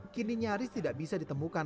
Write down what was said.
kini nyaris tidak bisa ditemukan